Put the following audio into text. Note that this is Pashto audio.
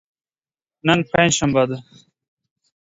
نن پنج شنبه ده.